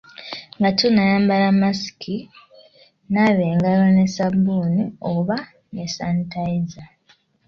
Nga tonnayambala masiki, naaba engalo ne ssabbuuni oba ne sanitayiza.